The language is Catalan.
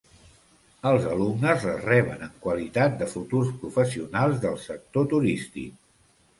Els alumnes les reben en qualitat de futurs professionals del sector turístic.